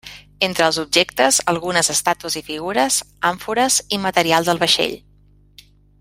Entre els objectes algunes estàtues i figures, àmfores i material del vaixell.